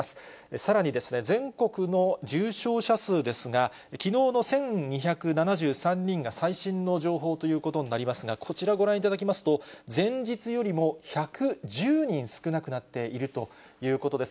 さらに全国の重症者数ですが、きのうの１２７３人が最新の情報ということになりますが、こちらご覧いただきますと、前日よりも１１０人少なくなっているということです。